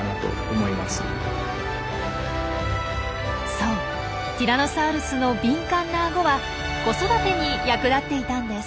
そうティラノサウルスの敏感なアゴは子育てに役立っていたんです！